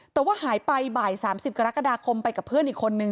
แต่ว่าหายไปบ่าย๓๐กรกฎาคมไปกับเพื่อนอีกคนนึง